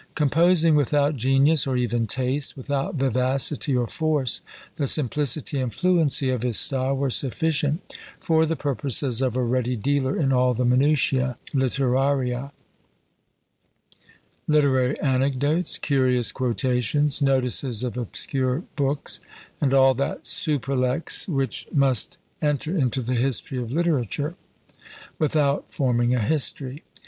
Composing without genius, or even taste, without vivacity or force, the simplicity and fluency of his style were sufficient for the purposes of a ready dealer in all the minutiæ literariæ; literary anecdotes, curious quotations, notices of obscure books, and all that supellex which must enter into the history of literature, without forming a history.